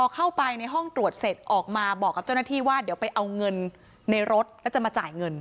เข้าไปในห้องตรวจเสร็จออกมาบอกกับเจ้าหน้าที่ว่าเดี๋ยวไปเอาเงินในรถแล้วจะมาจ่ายเงิน